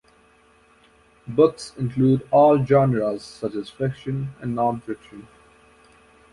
Books include all genres such as fiction and non-fiction.